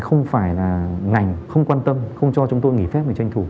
không phải là ngành không quan tâm không cho chúng tôi nghỉ phép để tranh thủ